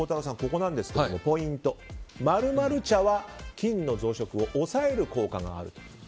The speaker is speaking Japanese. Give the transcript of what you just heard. ここなんですがポイント、○○茶は菌の増殖を抑える効果がある。